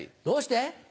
どうして？